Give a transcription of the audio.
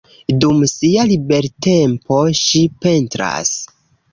Dum sia libertempo ŝi pentras.